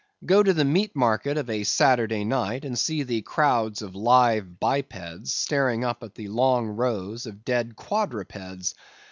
Go to the meat market of a Saturday night and see the crowds of live bipeds staring up at the long rows of dead quadrupeds.